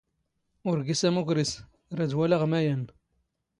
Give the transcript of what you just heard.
ⵓⵔ ⴳⵉⵙ ⴰⵎⵓⴽⵔⵉⵙ, ⵔⴰⴷ ⵡⴰⵍⴰⵖ ⵎⴰⵢⴰⵏⵏ.